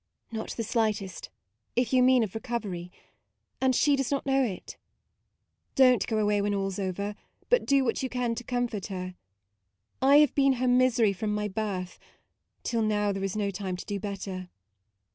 " Not the slightest, if you mean of recovery ; and she does not know it. Do n't go away when all 's over, but do what you can to comfort her. I have been her misery from my birth, till now there is no time to do better.